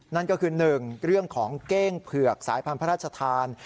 นั่นก็คือ๑เรื่องของเก้งเผือกสายพรรพรรษฐาน